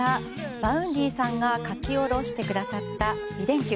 Ｖａｕｎｄｙさんが書き下ろしてくださった「美電球」。